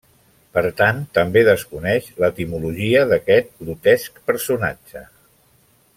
Per tant, també desconeix l’etimologia d’aquest grotesc personatge.